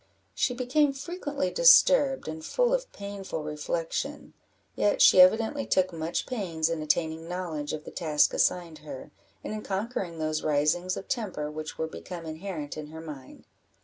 She became frequently disturbed, and full of painful reflection; yet she evidently took much pains in attaining knowledge of the task assigned her, and in conquering those risings of temper which were become inherent in her mind.